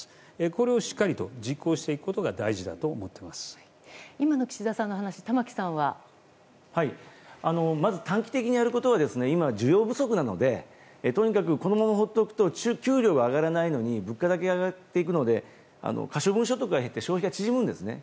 これをしっかりと実行していくことが今の岸田さんの話をまず短期的にやることは今、需要不足なのでとにかくこのまま放っておくと給料が上がらないのに物価だけ上がっていくので可処分所得が減って消費が縮むんですね。